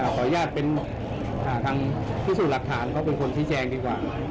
ขออนุญาตเป็นทางพิสูจน์หลักฐานเขาเป็นคนชี้แจงดีกว่า